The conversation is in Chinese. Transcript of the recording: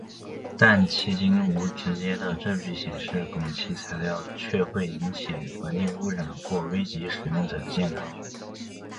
但迄今无直接的证据显示汞齐材料确会引起环境污染或危及使用者的健康。